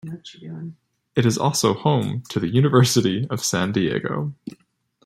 It is also home to the University of San Diego.